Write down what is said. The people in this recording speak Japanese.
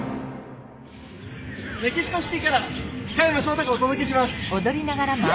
メキシコシティから嘉山正太がお届けします！